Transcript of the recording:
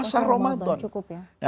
pada saat ramadan cukup ya